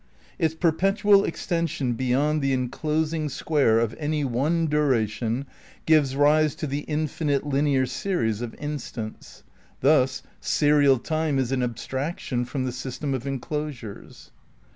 Its perpetual extension beyond the enclosing square of any one duration gives rise to the infinite linear series of instants. Thus serial time is an abstraction from the system of enclosures.